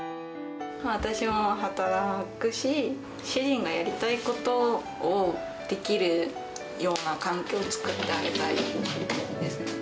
私が働くし、主人がやりたいことをできるような環境を作ってあげたいです。